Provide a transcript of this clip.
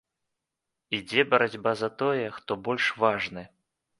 Ідзе барацьба за тое, хто больш важны.